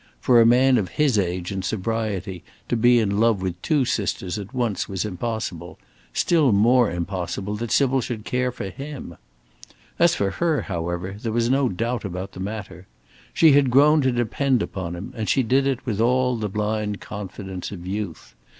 For a man of his age and sobriety to be in love with two sisters at once was impossible; still more impossible that Sybil should care for him. As for her, however, there was no doubt about the matter. She had grown to depend upon him, and she did it with all the blind confidence of youth.